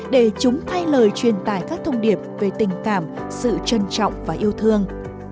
để chúng thay lời truyền tải các thông điệp về tình cảm sự trân trọng và yêu thương